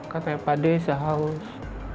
katanya pak d saya haus